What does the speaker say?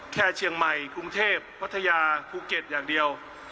แค่เชียงใหม่กรุงเทพพัทยาภูเก็ตอย่างเดียว